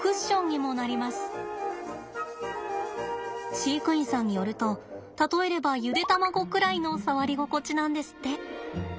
飼育員さんによると例えればゆで卵ぐらいの触り心地なんですって。